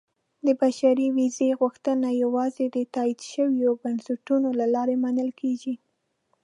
• د بشري ویزې غوښتنه یوازې د تایید شویو بنسټونو له لارې منل کېږي.